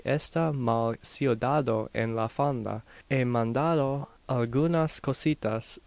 esta mal ciudado en la fonda. He mandado algunas cositas.